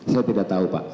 saya tidak tahu pak